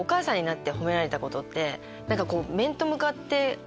って。